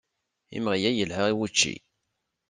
Imɣi-a yelha i wucci.